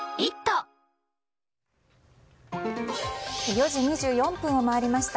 ４時２４分を回りました。